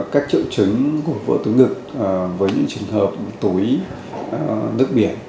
các triệu chứng của vỡ túi ngực với những trường hợp túi nước biển